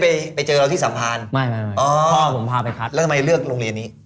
แล้วทำไมให้เลือกโรงเรียนนี้